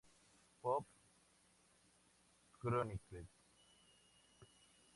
Pop Chronicles.